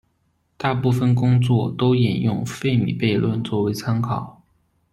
大部分工作都引用费米悖论作为参考。